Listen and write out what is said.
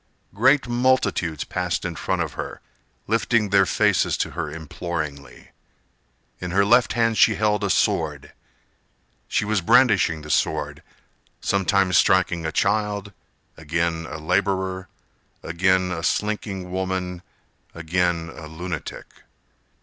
Great multitudes passed in front of her, Lifting their faces to her imploringly. In her left hand she held a sword. She was brandishing the sword, Sometimes striking a child, again a laborer, Again a slinking woman, again a lunatic.